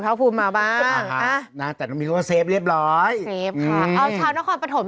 แค่นั้นมันก็แฮปปี้กันแล้ว